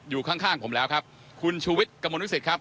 อยู่ข้างผมแล้วครับคุณชูวิทรกำลังฤทธิ์สิทธิ์ครับ